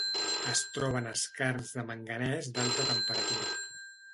Es troba en skarns de manganès d'alta temperatura.